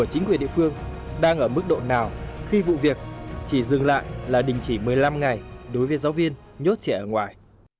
chính quyền địa phương đang ở mức độ nào khi vụ việc chỉ dừng lại là đình chỉ một mươi năm ngày đối với giáo viên nhốt trẻ ở ngoài